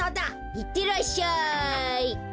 いってらっしゃい！